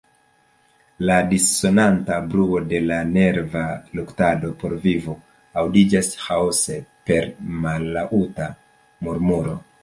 La dissonanta bruo de la nerva luktado por vivo aŭdiĝas ĥaose per mallaŭta murmuro.